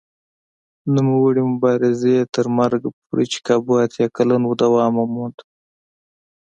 نوموړي مبارزې تر مرګه پورې چې کابو اتیا کلن و دوام وموند.